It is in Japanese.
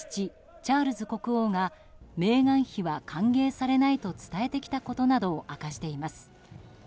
チャールズ国王がメーガン妃は歓迎されないと伝えてきたことなどを明かしています。